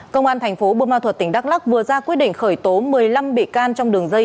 công an thành phố bô ma thuật tỉnh đắk lắc vừa ra quyết định khởi tố một mươi năm bị can trong đường dây